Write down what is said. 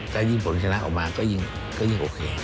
ถ้ายิ่งผลชนะออกมาก็ยิ่งโอเค